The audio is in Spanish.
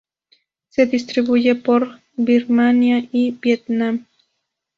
Se distribuye por Birmania y Vietnam.